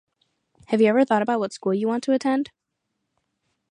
Have you thought about what school you want to attend?